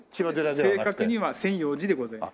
正確には千葉寺でございます。